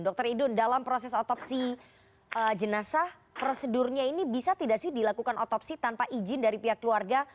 dr idun dalam proses otopsi jenazah prosedurnya ini bisa tidak sih dilakukan otopsi tanpa izin dari pihak keluarga